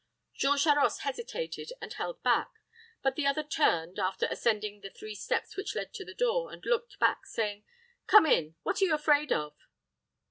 Jean Charost hesitated, and held back; but the other turned, after ascending the three steps which led to the door, and looked back, saying, "Come in what are you afraid of?"